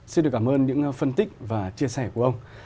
xin được cảm ơn những phân tích và chia sẻ của ông